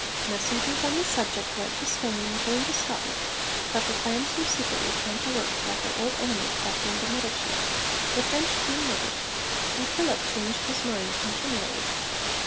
Messengers on the subject went to Spain and came to Scotland. But her plans were secretly counterworked by her old enemy Catherine de Medici, the French Queen mother, and Philip changed his mind continually.